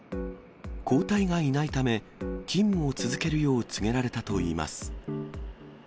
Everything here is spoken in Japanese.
交代がいないため、勤務を続けるよう告げられたといいます。